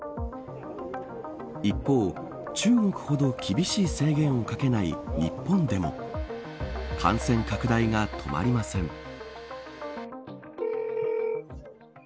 一方、中国ほど厳しい制限をかけない日本でも感染拡大が止まりません。